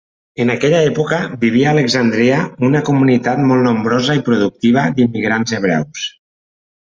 En aquella època, vivia a Alexandria una comunitat molt nombrosa i productiva d'immigrants hebreus.